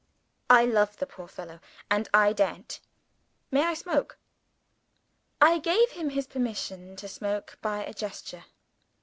I love the poor fellow; and I daren't. May I smoke?" I gave him his permission to smoke by a gesture.